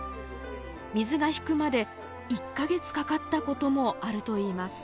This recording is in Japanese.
水が引くまで１か月かかったこともあるといいます。